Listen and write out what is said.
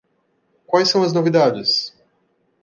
Quais são as novidades?